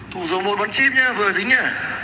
thủ dùng một bóng chip nhé vừa dính nhé